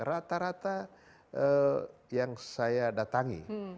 rata rata yang saya datangi